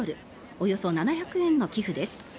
およそ７００円の寄付です。